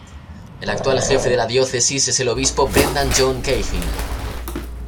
El actual jefe de la Diócesis es el Obispo Brendan John Cahill.